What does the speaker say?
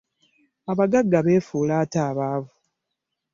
Abagagga beefuula ate abaavu.